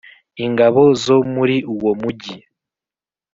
ingabo zo muri uwo mugi